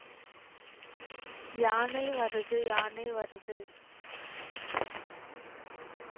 யானை வருது யானை வருது.